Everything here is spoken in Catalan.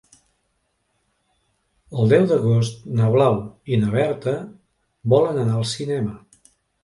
El deu d'agost na Blau i na Berta volen anar al cinema.